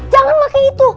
jangan pakai itu